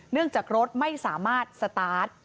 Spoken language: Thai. เนื่องจากรถไม่สามารถสตาร์ท